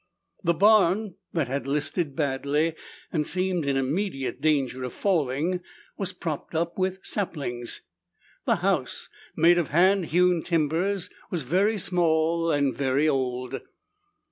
The barn, that had listed badly and seemed in immediate danger of falling, was propped up with saplings. The house, made of hand hewn timbers, was very small and very old.